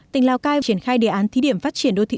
tỉnh lào cai triển khai đề án thí điểm phát triển đô thị